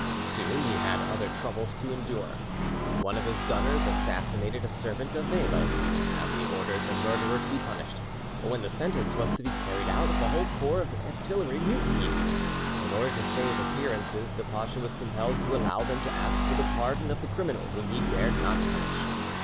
Soon he had other troubles to endure. One of his gunners assassinated a servant of Vela's, and Ali ordered the murderer to be punished, but when the sentence was to be carried out the whole corps of artillery mutinied. In order to save appearances, the pacha was compelled to allow them to ask for the pardon of the criminal whom he dared not punish.